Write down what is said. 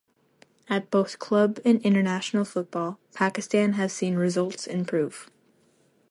At both club and international football, Pakistan have seen results improve.